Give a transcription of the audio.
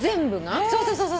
そうそうそうそう。